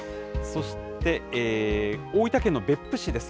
そして、大分県の別府市です。